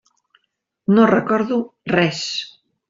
No recordo res.